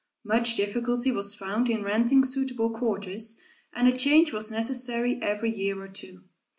Much difficulty was found in renting suitable quarters, and a change was necessary every year or two.